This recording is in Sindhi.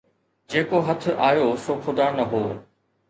جيڪو هٿ آيو سو خدا نه هو